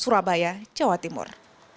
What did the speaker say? surabaya jawa timur